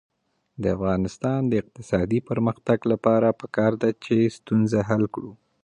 د افغانستان د اقتصادي پرمختګ لپاره پکار ده چې ستونزه حل کړو.